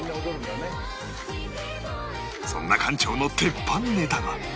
そんな館長の鉄板ネタが